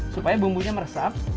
supaya bumbunya meresap